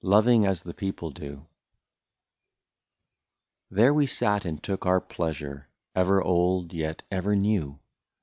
133 LOVING AS THE PEOPLE DO. There we sat and took our pleasure, Ever old, yet ever new.